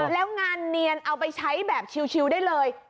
แล้วงานเนียนเอาไปใช้แบบชิวได้เลย